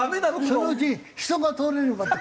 そのうち人が通れるまで。